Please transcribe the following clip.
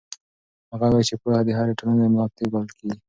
هغه وویل چې پوهنه د هرې ټولنې د ملا تیر بلل کېږي.